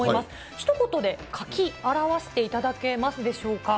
ひと言で書き表していただけますでしょうか。